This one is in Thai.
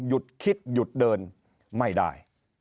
หยุดคิดหยุดเดินไม่ได้